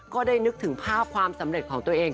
ก็ได้นึกถึงภาพความสำเร็จของตัวเอง